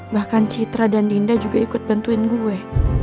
bahkan citra dan dinda juga ikut bantuin gue